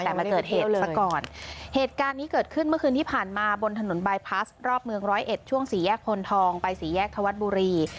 แต่มันเกิดเหตุซะก่อนเหตุการณ์นี้เกิดขึ้นเมื่อคืนที่ผ่านมาบนถนนบายพลาสรอบเมือง๑๐๑ช่วงศรีแยกคนทองไปศรีแยกทวัฒน์บุรี